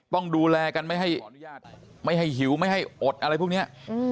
ต้องดูแลกันไม่ให้ไม่ให้หิวไม่ให้อดอะไรพวกนี้